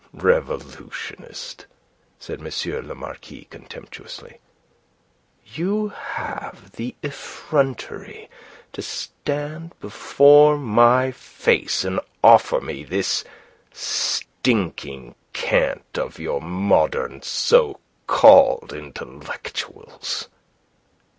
"Revolutionist!" said M. le Marquis, contemptuously. "You have the effrontery to stand before my face and offer me this stinking cant of your modern so called intellectuals!"